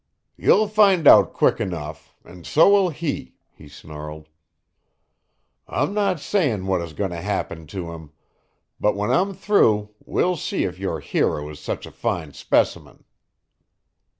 "You'll find out quick enough, and so will he," he snarled. "I'm not saying what is goin' to happen to him, but when I'm through we'll see if your hero is such a fine specimen."